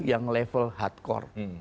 yang level hardcore